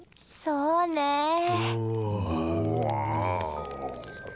そうねえ。